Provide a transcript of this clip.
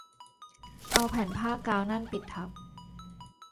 เอาแผ่นผ้ากาวนั่นปิดทับ